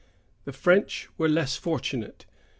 The French were less fortunate.